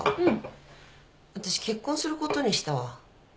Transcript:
私結婚することにしたわ。